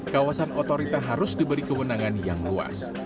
kawasan otorita harus diberi kewenangan yang luas